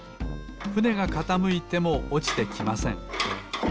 ふねがかたむいてもおちてきません。